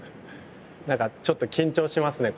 何かちょっと緊張しますね